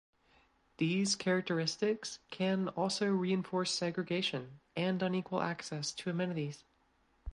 These characteristics can also reinforce segregation and unequal access to amenities.